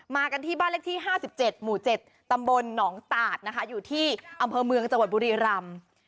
กันที่บ้านเลขที่๕๗หมู่๗ตำบลหนองตาดนะคะอยู่ที่อำเภอเมืองจังหวัดบุรีรำ